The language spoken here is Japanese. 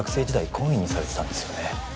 懇意にされてたんですよね？